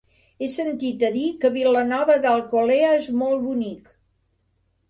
He sentit a dir que Vilanova d'Alcolea és molt bonic.